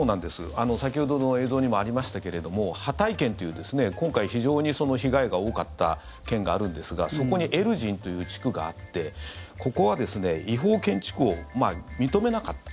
先ほどの映像にもありましたけれどもハタイ県という今回、非常に被害が多かった県があるんですがそこにエルジンという地区があってここは違法建築を認めなかった。